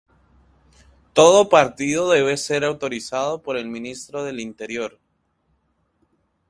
Todo partido debe ser autorizado por el ministro del interior.